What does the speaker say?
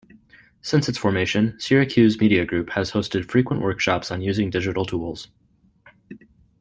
Since its formation, Syracuse Media Group has hosted frequent workshops on using digital tools.